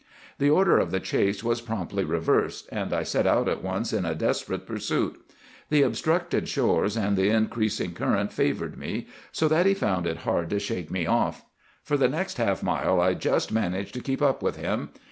"The order of the chase was promptly reversed, and I set out at once in a desperate pursuit. The obstructed shores and the increasing current favored me, so that he found it hard to shake me off. For the next half mile I just managed to keep up with him.